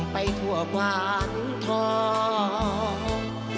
ไปทั่วความท้อง